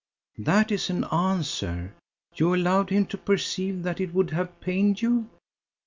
"That is an answer. You allowed him to perceive that it would have pained you."